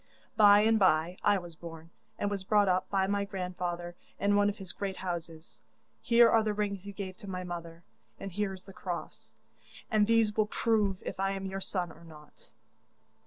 'By and bye I was born, and was brought up by my grandfather in one of his great houses. Here are the rings you gave to my mother, and here is the cross, and these will prove if I am your son or not.